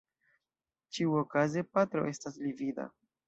Ĉiuokaze, Patro estas livida.